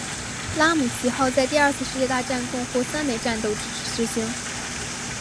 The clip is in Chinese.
拉姆齐号在第二次世界大战共获三枚战斗之星。